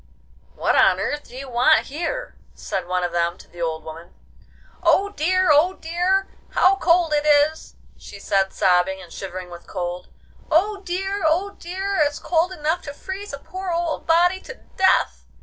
'What on earth do you want here?' said one of them to the old woman. 'Oh dear! oh dear! How cold it is!' she said, sobbing, and shivering with cold. 'Oh dear! oh dear! it's cold enough to freeze a poor old body to death!